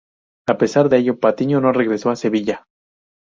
A pesar de ello, Patiño no regresó a Sevilla.